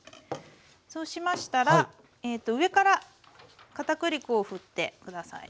そうしましたら上から片栗粉をふって下さいね。